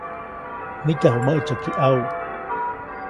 Mityaju mäʼtsyäki ʼawu.